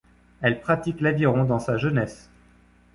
Elle pratique l'aviron dans sa jeunesse.